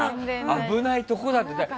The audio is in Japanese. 危ないところだったよ。